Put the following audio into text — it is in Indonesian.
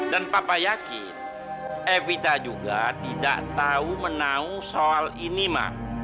dan papa yakin evita juga tidak tahu menahu soal ini ma